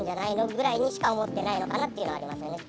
ぐらいにしか思っていないのかなっていうのはありますよね。